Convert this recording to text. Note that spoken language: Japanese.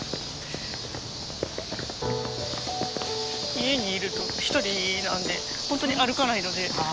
家にいると一人なんでほんとに歩かないので。